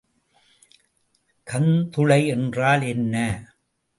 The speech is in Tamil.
கந்துளை என்றால் என்ன?